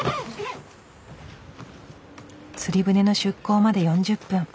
釣り船の出航まで４０分。